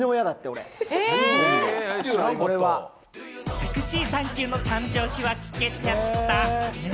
セクシーサンキューの誕生秘話、聞けちゃったね！